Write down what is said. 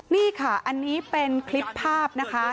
นี่ค่ะอันนี้เป็นคลิปภาพนะคะ